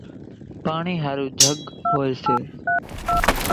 پاڻِي ۿارُو جھڳ هوئيَ سي۔